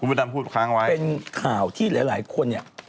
คุณพุทธันพูดข้างไว้เป็นข่าวที่หลายคนเนี่ย